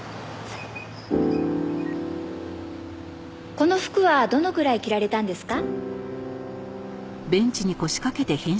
「この服はどのくらい着られたんですか？」